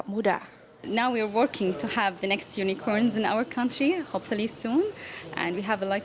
perusahaan penyelenggara kegiatan ini global entrepreneurship networking berpendapat